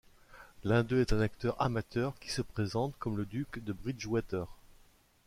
L'un d'eux est un acteur amateur qui se présente comme le duc de Bridgewater.